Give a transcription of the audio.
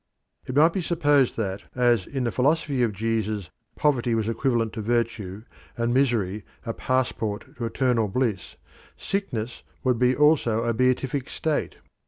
It might be supposed that as in the philosophy of Jesus poverty was equivalent to virtue and misery a passport to eternal bliss, sickness would be also a beatific state.